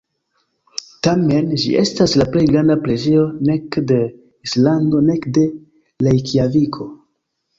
Tamen, ĝi estas la plej granda preĝejo nek de Islando nek de Rejkjaviko.